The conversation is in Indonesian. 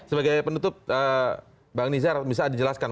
sebagai penutup bang nizar bisa dijelaskan